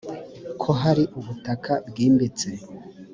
ko hatari ubutaka bwimbitse